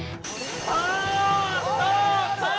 さあさあさあ